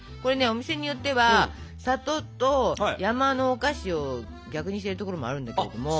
お店によっては「里」と「山」のお菓子を逆にしてるところもあるんだけれども。